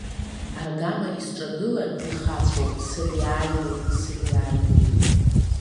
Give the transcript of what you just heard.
Аргама исҿагылар, ихацәоуп, сыриааиуеит, сыриааиуеит!